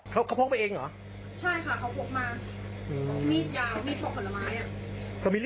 เพราะถือเขาก็ปลัดการมันเลย